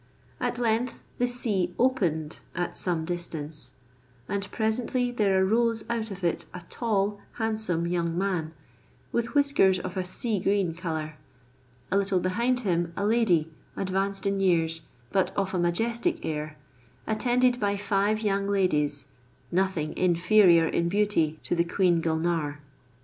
At length the sea opened at some distance; and presently there arose out of it a tall, handsome young man, with whiskers of a sea green colour; a little behind him, a lady, advanced in years, but of a majestic air, attended by five young ladies, nothing inferior in beauty to the Queen Gulnare.